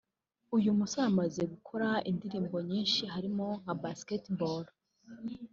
uyu musore amaze gukora indirimbo nyinshi harimo nka Basketball